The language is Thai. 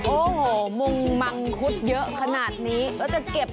โอ้โหมงมังคุดเยอะขนาดนี้ก็จะเก็บ